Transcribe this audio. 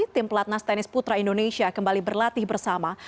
tim pelatnas tenis putra indonesia kembali berlatih bersama